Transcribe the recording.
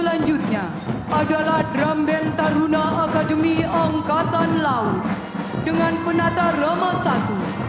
diikuti oleh satu batalion taruna academy angkatan laut dengan komandan batalion